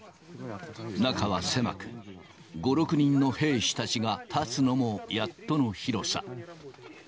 中は狭く、５、６人の兵士たちが立つのもやっとの広さ。